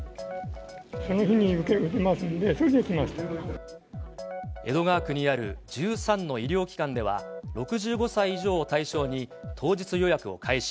その日に打てますので、江戸川区にある１３の医療機関では、６５歳以上を対象に当日予約を開始。